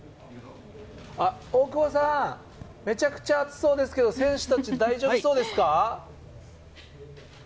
大久保さん、めちゃくちゃ暑そうですけど選手たち、大丈夫そうですか？